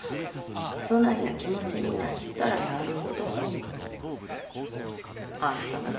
そないな気持ちになったらなるほどあんたのこと思い出してしまうねん。